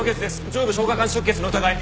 上部消化管出血の疑い。